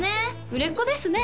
売れっ子ですね